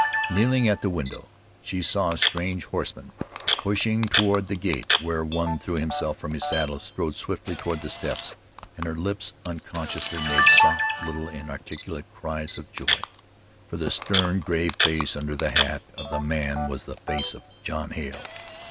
Kneeling at the window, she saw strange horsemen pushing toward the gate where one threw himself from his saddle, strode swiftly toward the steps, and her lips unconsciously made soft, little, inarticulate cries of joy for the stern, gray face under the hat of the man was the face of John Hale.